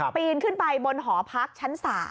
ปีนขึ้นไปบนหอพักชั้น๓